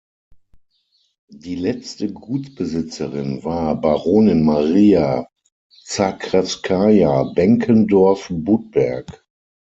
Die letzte Gutsbesitzerin war Baronin Maria Zakrewskaja-Benckendorff-Budberg.